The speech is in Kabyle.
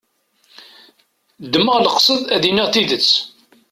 Ddmeɣ leqsed ad d-iniɣ tidet.